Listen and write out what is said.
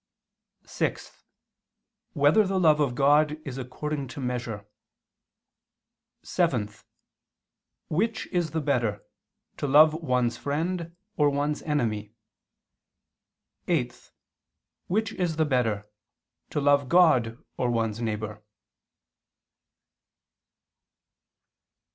(6) Whether the love of God is according to measure? (7) Which is the better, to love one's friend, or one's enemy? (8) Which is the better, to love God, or one's neighbor?